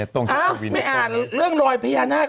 ถ้าไม่อ่านเรื่องรอยพญานาคละ